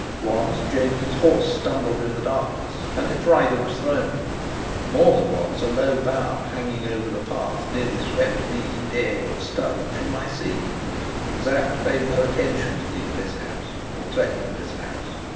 Once James's horse stumbled in the darkness and its rider was thrown; more than once a low bough hanging over the path nearly swept me, dead or stunned, from my seat. Sapt paid no attention to these mishaps or threatened mishaps.